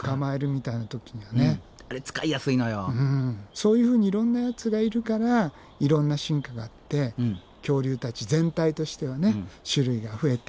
そういうふうにいろんなやつがいるからいろんな進化があって恐竜たち全体としては種類が増えてどんどん繁栄していくっていうね